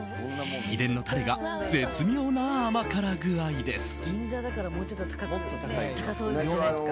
秘伝のタレが絶妙な甘辛具合です。